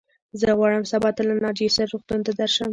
زه غواړم سبا ته له ناجيې سره روغتون ته درشم.